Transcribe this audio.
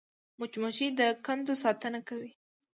مچمچۍ د کندو ساتنه کوي